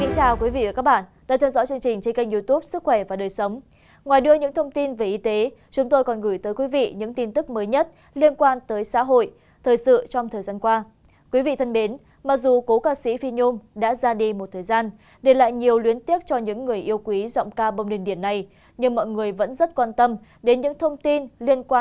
các bạn hãy đăng ký kênh để ủng hộ kênh của chúng mình nhé